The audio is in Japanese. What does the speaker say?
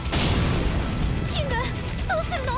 キングどうするの？